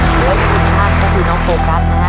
แล้วอีกทางก็คือน้องโฟกัสนะคะ